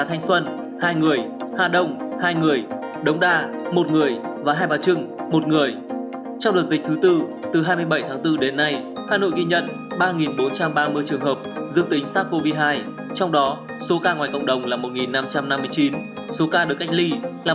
trong đó ba mươi bảy ca trong khu vực cách ly